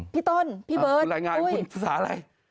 พี่ต้นพี่เบิร์ตรายงานว่าคุณภาษาอะไร